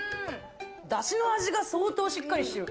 だしの味が相当しっかりしてる。